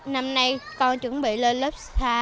năm nay con chuẩn bị lên lớp sáu